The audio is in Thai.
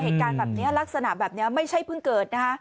เหตุการณ์แบบนี้ลักษณะแบบนี้ไม่ใช่เพิ่งเกิดนะคะ